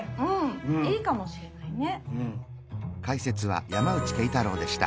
いいかもしれないね。